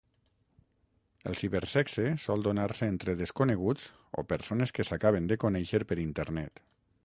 El cibersexe sol donar-se entre desconeguts o persones que s'acaben de conèixer per Internet.